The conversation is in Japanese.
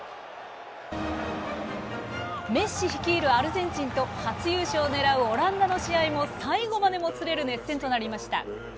メッシ率いるアルゼンチンと初優勝を狙うオランダの試合も最後までもつれる熱戦となりました。